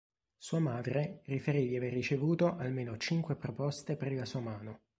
Sua madre riferì di aver ricevuto almeno cinque proposte per la sua mano.